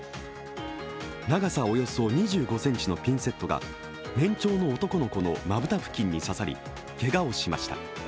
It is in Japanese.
長さおよそ２５ｃｍのピンセットが年長の男の子のまぶた付近に刺さり、けがをしました。